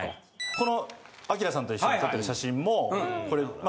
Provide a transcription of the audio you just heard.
このＡＫＩＲＡさんと一緒に撮ってる写真もこれまあ